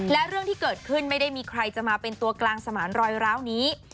และเรื่องที่เกิดขึ้นไม่ได้มีใครจะมาเป็นตัวกลางสมานรอยร้าวนี้